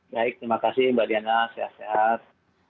baik terima kasih mbak diana sehat sehat